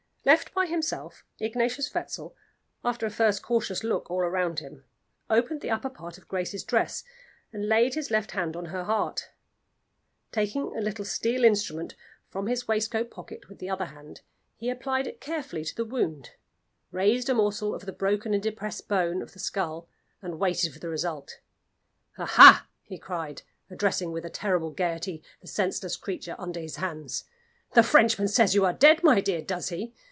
Left by himself, Ignatius Wetzel, after a first cautious look all round him, opened the upper part of Grace's dress, and laid his left hand on her heart. Taking a little steel instrument from his waistcoat pocket with the other hand, he applied it carefully to the wound, raised a morsel of the broken and depressed bone of the skull, and waited for the result. "Aha!" he cried, addressing with a terrible gayety the senseless creature under his hands. "The Frenchman says you are dead, my dear does he?